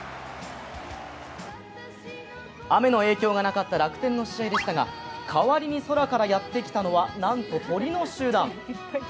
雨の影響がなかった楽天の試合でしたが、代わりに空からやってきたのはなんと鳥の集団。